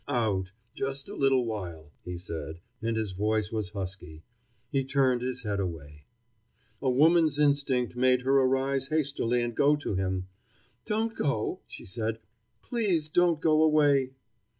"Out, just a little while," he said, and his voice was husky. He turned his head away. A woman's instinct made her arise hastily and go to him. "Don't go," she said; "please don't go away."